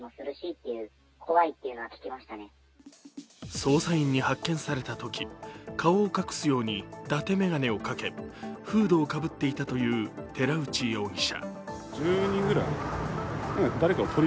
捜査員に発見されたとき顔を隠すようにだて眼鏡をかけ、フードをかぶっていたとみられる寺内容疑者。